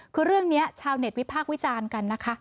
คือเรื่องนี้ชาวเน็ตวิพากษ์วิจารณ์กันนะคะ